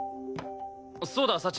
そうだ幸。